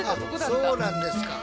そうなんですか。